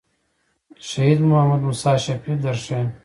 شهید محمد موسی شفیق در ښیم.